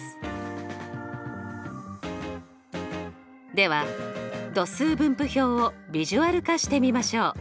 では度数分布表をビジュアル化してみましょう。